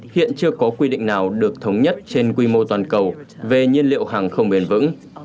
hiện chưa có quy định nào được thống nhất trên quy mô toàn cầu về nhiên liệu hàng không bền vững